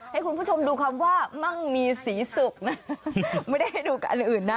ให้คุณผู้ชมดูคำว่ามั่งมีสีสุกนะไม่ได้ให้ดูกับอันอื่นนะ